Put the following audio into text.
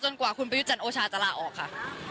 จนกว่าคุณประยุจันโอชาชาลาออกค่ะ